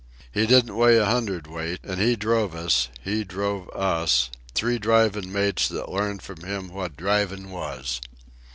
He didn't weigh a hundredweight, an' he drove us—he drove us, three drivin' mates that learned from him what drivin' was.